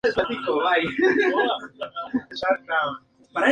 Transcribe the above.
El Congreso en pleno firmó una moción de duelo en su memoria.